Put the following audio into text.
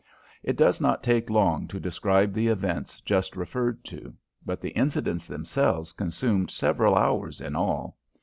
It does not take long to describe the events just referred to, but the incidents themselves consumed several hours in all.